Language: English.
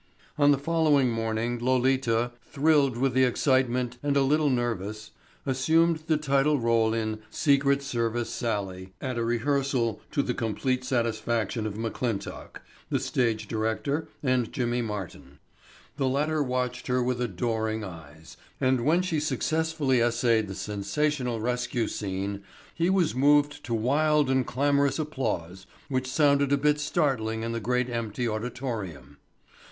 On the following morning Lolita, athrill with excitement and a little nervous, assumed the title role in "Secret Service Sallie" at a rehearsal to the complete satisfaction of McClintock, the stage director and Jimmy Martin. The latter watched her with adoring eyes, and when she successfully essayed the sensational rescue scene he was moved to wild and clamorous applause which sounded a bit startling in the great empty auditorium.